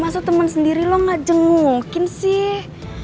masa temen sendiri lo gak jemulkin sih